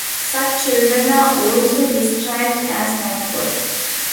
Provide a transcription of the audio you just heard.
Such children are also described as backward.